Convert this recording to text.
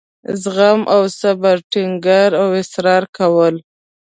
زغم او صبر ټینګار او اصرار کول.